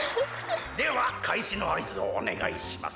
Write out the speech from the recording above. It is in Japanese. ではかいしのあいずをおねがいします。